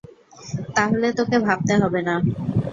তাহলে তোকে ভাবতে হবে না।